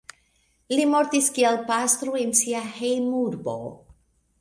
Li mortis kiel pastro en sia hejmurbo.